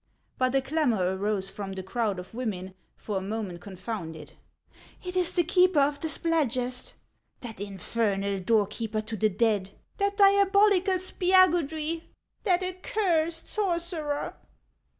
But a clamor arose from the crowd of women, for a moment confounded :" It is the keeper of the Spladgest ! l — That infernal doorkeeper to the dead !— That diabolical Spiagudry !— That accursed sorcerer